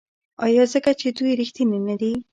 آیا ځکه چې دوی ریښتیني نه دي؟